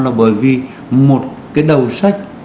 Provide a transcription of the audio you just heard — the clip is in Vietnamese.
là bởi vì một cái đầu sách